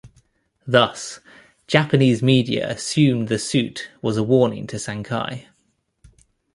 Thus, Japanese media assumed the suit was a warning to Sankei.